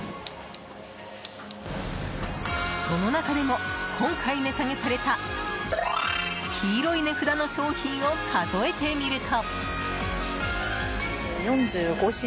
その中でも今回値下げされた黄色い値札の商品を数えてみると。